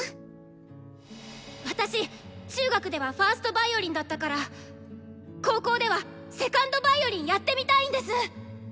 私中学では１ｓｔヴァイオリンだったから高校では２ｎｄヴァイオリンやってみたいんです！